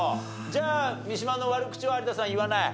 じゃあ三島の悪口は有田さん言わない？